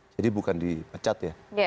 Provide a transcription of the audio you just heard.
jadi bukan dipecat ya